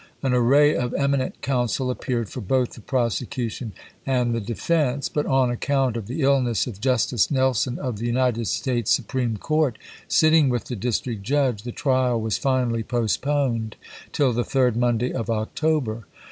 An array of eminent counsel appeared for both the prosecution and the defense; but on account of the illness of Justice Nelson of the United States Supreme Court, sitting with the District HATTEEAS AND PORT EOYAL 11 Judge, the trial was finally postponed tiU tlie third chap. i. Monday of October.